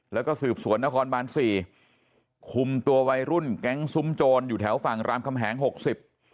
แล้วก็สืบสวนนครบานสี่คุมตัววัยรุ่นแก๊งซุ้มโจรอยู่แถวฝั่งรามคำแหงหกสิบ